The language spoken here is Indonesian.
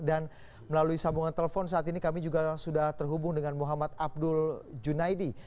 dan melalui sambungan telepon saat ini kami juga sudah terhubung dengan muhammad abdul junaidi